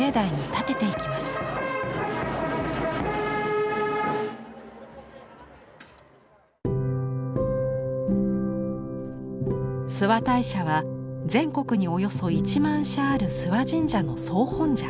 諏訪大社は全国におよそ１万社ある諏訪神社の総本社。